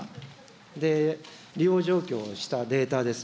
利用状況をしたデータです。